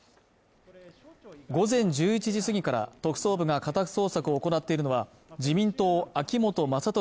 午前１１時過ぎから特捜部が家宅捜索を行っているのは自民党秋本真利